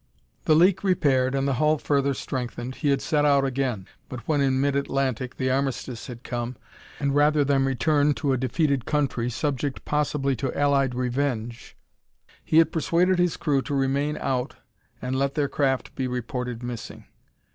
The leak repaired and the hull further strengthened, he had set out again. But when in mid Atlantic the Armistice had come, and rather than return to a defeated country, subject possibly to Allied revenge, he had persuaded his crew to remain out and let their craft be reported missing.